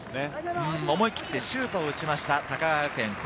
思い切ってシュートを打ちました、高川学園。